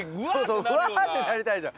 うわーってなりたいじゃん。